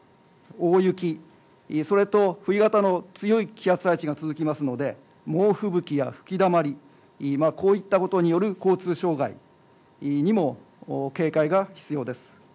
大雪、それと冬型の強い気圧配置が続きますので猛吹雪や吹きだまり、こういったことによる交通障害にも警戒が必要です。